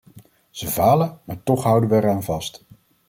Ze falen maar toch houden we eraan vast.